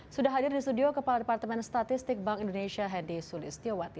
sudah hadir di studio kepala departemen statistik bank indonesia hedi sulistiowati